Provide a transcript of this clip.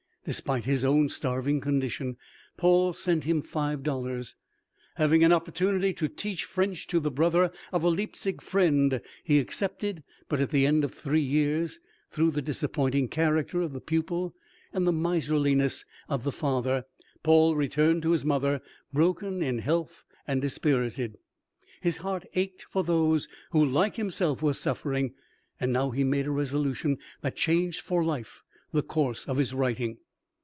Despite his own starving condition, Paul sent him five dollars. Having an opportunity to teach French to the brother of a Leipzig friend, he accepted; but at the end of three years, through the disappointing character of the pupil, and the miserliness of the father, Paul returned to his mother, broken in health and dispirited. His heart ached for those who like himself were suffering, and now he made a resolution that changed for life the course of his writing.